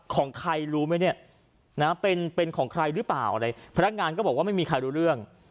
ของใครรู้ไหมเนี่ยนะเป็นเป็นของใครหรือเปล่าอะไรพนักงานก็บอกว่าไม่มีใครรู้เรื่อง